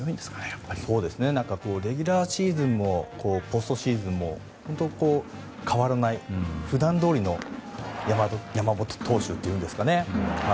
レギュラーシーズンもポストシーズンも本当に変わらない普段どおりの山本投手というんですかね。